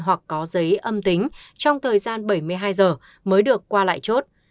hoặc có giấy âm tính trong thời gian bảy mươi hai giờ mới được qua lại chốt